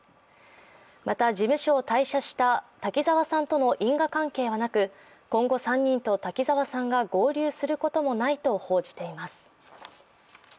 また事務所を退社した滝沢さんとの因果関係はなく今後３人と滝沢さんが合流することもないと報じています。